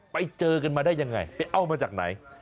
ไปเจอกันมาได้ยังไงไปเอามาจากไหน